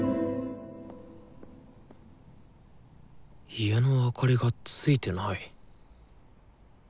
家の明かりがついてない。